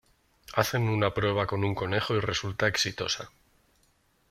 Hacen una prueba con un conejo y resulta exitosa.